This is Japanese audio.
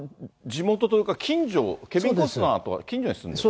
今、地元というか、近所、ケビン・コスナーとは近所に住んでる？